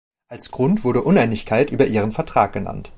Als Grund wurde Uneinigkeit über ihren Vertrag genannt.